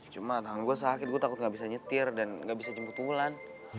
cuma tangan gue sakit gue takut gak bisa nyetir dan gak bisa jemput unggulan